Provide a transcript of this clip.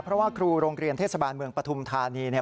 เพราะว่าครูโรงเรียนเทศบาลเมืองปฐุมธานีเนี่ย